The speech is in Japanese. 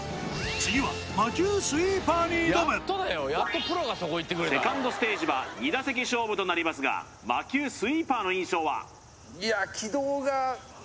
次は魔球スイーパーに挑むセカンドステージは２打席勝負となりますが魔球スイーパーの印象は？